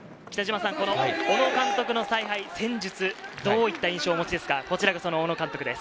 この小野監督の采配、戦術、どういった印象をお持ちですか？